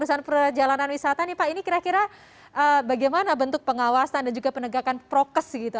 perusahaan perjalanan wisata nih pak ini kira kira bagaimana bentuk pengawasan dan juga penegakan prokes gitu